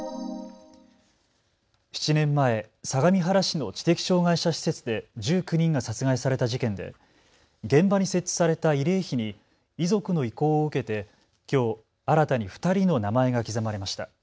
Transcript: ７年前、相模原市の知的障害者施設で１９人が殺害された事件で現場に設置された慰霊碑に遺族の意向を受けてきょう新たに２人の名前が刻まれました。